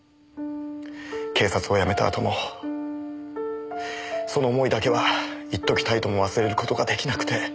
警察を辞めたあともその思いだけは一時たりとも忘れる事が出来なくて。